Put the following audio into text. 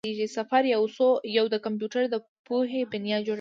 صفر او یو د کمپیوټر د پوهې بنیاد جوړوي.